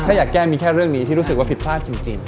ถ้าอยากแก้มีแค่เรื่องนี้ที่รู้สึกว่าผิดพลาดจริง